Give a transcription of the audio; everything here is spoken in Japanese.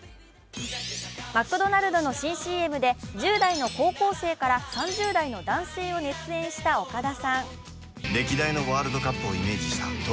マクドナルドの新ＣＭで１０代の高校生から３０代の男性を熱演した岡田さん。